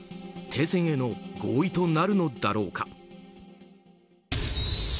停戦への合意となるのだろうか。